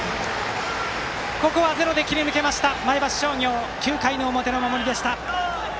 ここはゼロで切り抜けた前橋商業９回の表の守りでした。